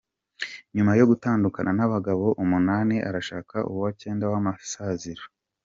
Nyuma yo gutandukana n’abagabo Umunani arashaka uwa Cyenda w’amasaziro